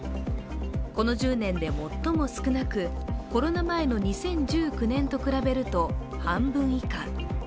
この１０年で最も少なく、コロナ前の２０１９年と比べると半分以下。